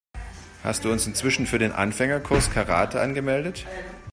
Hast du uns inzwischen für den Anfängerkurs Karate angemeldet?